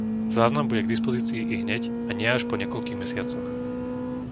Záznam bude k dispozícii ihneď a nie až po niekoľkých mesiacoch.